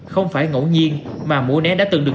không phải ngẫu nhiên mà mũ né đã từng được